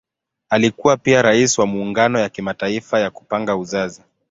Alikuwa pia Rais wa Muungano ya Kimataifa ya Kupanga Uzazi.